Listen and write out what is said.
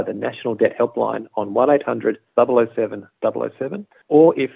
atau jika anda tidak menggambar bahasa inggris